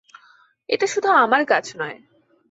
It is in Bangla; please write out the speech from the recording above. এটা শুধু আমার কাজ নয়।